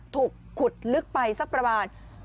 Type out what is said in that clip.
ถูกขุดลึกไปสักประมาณ